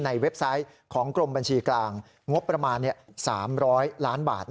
เว็บไซต์ของกรมบัญชีกลางงบประมาณ๓๐๐ล้านบาท